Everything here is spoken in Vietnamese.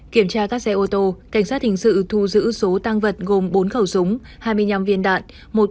kiểm tra các xe ô tô cảnh sát hình sự thu giữ số tăng vật gồm bốn khẩu súng hai mươi năm viên đạn